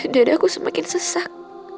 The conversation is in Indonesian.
dadaku semakin sesak